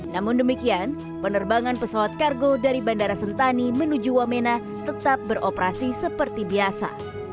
namun demikian penerbangan pesawat kargo dari bandara sentani menuju wamena tetap beroperasi seperti biasa